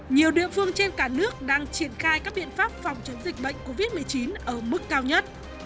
nhiều địa phương trên cả nước đang triển khai các biện pháp phòng chống dịch bệnh covid một mươi chín ở mức cao nhất